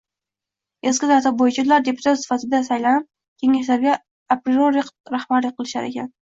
eski tartib bo‘yicha ular deputat sifatida saylanib, Kengashlarga apriori rahbarlik qilishar edi.